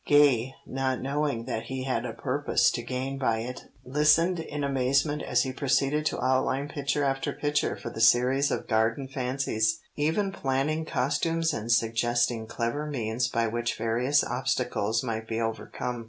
Gay, not knowing that he had a purpose to gain by it, listened in amazement as he proceeded to outline picture after picture for the series of Garden Fancies, even planning costumes and suggesting clever means by which various obstacles might be overcome.